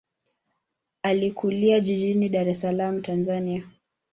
Alikulia jijini Dar es Salaam, Tanzania.